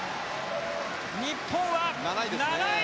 日本は７位。